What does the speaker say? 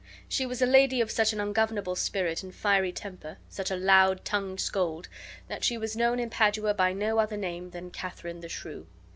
She was a lady of such an ungovernable spirit and fiery temper, such a loud tongued scold, that she was known in Padua by no other name than Katharine the Shrew.